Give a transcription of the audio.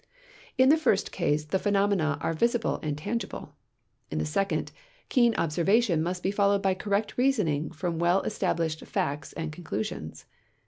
In the fir.st case the ])henomena are visible and tangible; in the second, keen ol)servati(jn must he followetl by correct reasoning from well established facts and conclusions.